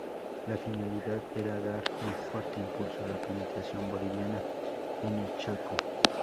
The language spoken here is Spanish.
La finalidad era dar un fuerte impulso a la penetración boliviana en el Chaco.